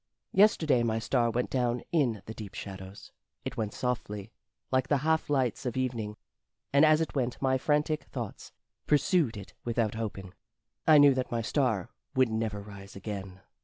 Yesterday my star went down in the deep shadows. It went softly Like the half lights of evening; And as it went my frantic thoughts pursued it without hoping: I knew that my star would never rise again.